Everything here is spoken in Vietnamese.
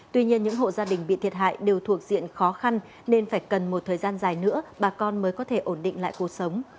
tuy nhiên những hộ gia đình bị thiệt hại đều thuộc diện khó khăn nên phải cần một thời gian dài nữa bà con mới có thể ổn định lại cuộc sống